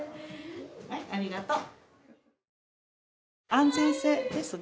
はいありがとう。